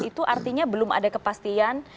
itu artinya belum ada kepastian